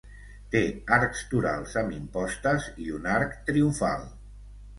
Té arcs torals amb impostes i un arc triomfal.